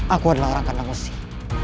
aku adalah orang kandang besi